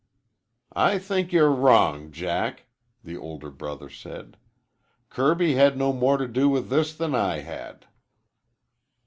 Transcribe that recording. "I think you're wrong, Jack," the older brother said. "Kirby had no more to do with this than I had."